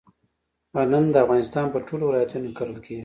غنم د افغانستان په ټولو ولایتونو کې کرل کیږي.